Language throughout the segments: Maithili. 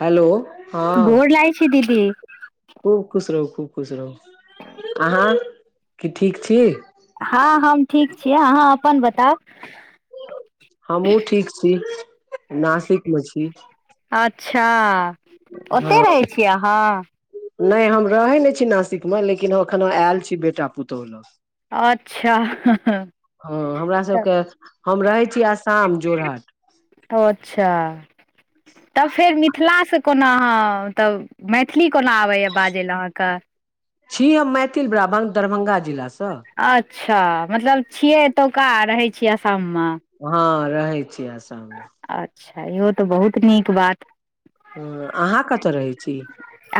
हेलो हँ गोर लागै छी दीदी खूब खुश रहु खूब खुश रहु अहाँ की ठीक छी हँ हम ठीक छीयै अहाँ अपन बताउ हमहुँ ठीक छी नासिक मे छी अच्छा ओत‌ए हँ रहै छीयै अहाँ नहि हम रहै नहि छी नासिक मे लेकिन हम एखनहु आयल छी बेटा पुतहु लग अच्छा हँ हमरा सब के हम रहै छी आसाम जोरहाट अच्छा तब फेर मिथिला सँ कोना अहाँ मतलब मैथिली कोना आबैए बाजय लए अहाँके छी हम मैथिल ब्राह्मण दरभंगा जिला सँ अच्छा मतलब छियै एतौका रहै छियै आसाम मे हँ रहै छी आसाम मे अच्छा इहो तऽ बहुत नीक बात हँ अहाँ कतय रहै छी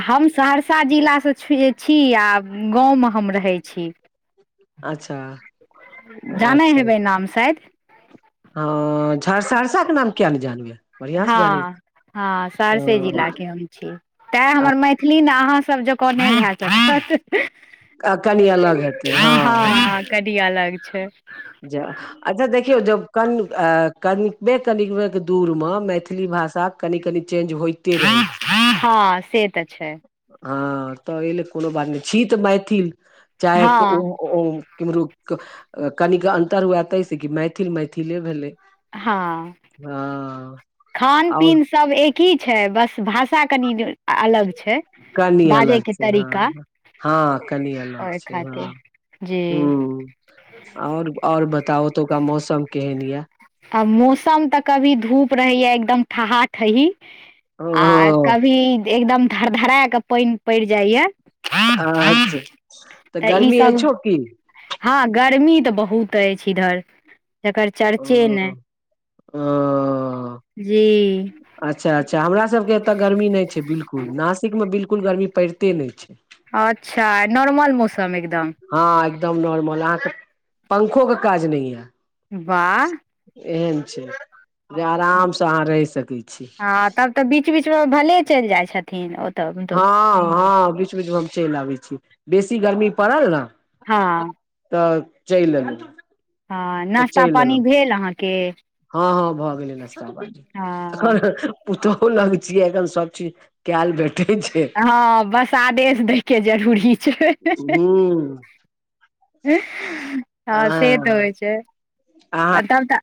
हम सहरसा जिलासँ छी आ गाँवमे हम रहै छी अच्छा जानै अच्छा हेबै नाम शायद हँ सहरसा के नाम किया ने जानबै बढ़िआं से जानै हँ हँ छी सहरसे जिला हँ, के हम छी तैं हमर मैथिली ने अहाँसभ जकाँ नहि हेत स्पष्ट अ कनि अलग हेतै हँ हँ कनी अलग छै जा अच्छा देखियौ जब कन कनिकबे कनिकबेक दूरमे मैथिली भाषाक कनी कनी चेंज होइते रहै छै हँ से तऽ छै हँ तऽ एहिल कोनो बात नहि छी तऽ मैथिल चाहे हँ ओ ओ केमहरु कनिक अन्तर हुए तै से कि मैथिल मैथिले भेलै हँ हँ खान आओर पीन सब एकहि छै बस भाषा कनि अलग छै कनि बाजै अलग के छै तरीका हँ हँ कनि अलग ओहि छै हँ खातिर जी हूँ आओर और बताओ ओतुका मौसम केहन यऽ आ मौसम तऽ कभी धूप रहेये एकदम ठहा ठहि आ ओ कभी एकदम धर धरा कऽ पानि पड़ि जाइये अच्छा तऽ ई गर्मी सब अछियो की हँ गर्मी तऽ बहुत अछि इधर जकर ओ चर्चे नै ओ जी अच्छा अच्छा हमरा सबके एतय गर्मी नहि छै बिल्कुल नासिक मे बिल्कुल गर्मी पड़िते नहि छै अच्छा नॉर्मल मौसम एकदम हँ एकदम नॉर्मल अहाँके पंखो के काज नहि ये बाह एहन छै जे आरामसँ अहाँ रहि सकैत छी हँ तब तऽ बीच बीचमे भले चलि जाइ छथिन ओतऽ हँ मतलब हुँ, हँ बीच बीचमे हम चलि आबै छी बेसी गर्मी पड़ल ने हँ तऽ चलि एलुं हँ नास्ता पानी भेल अहाँके हँ हँ भऽ गेलै नाश्ता हँ पानी पुतहु लग छियै एखन सब चीज कयल भेटे छै हँ बस आदेश दै के जरूरी छै हू हँ से तऽ हँ होइ छै अहाँ आ तब तऽ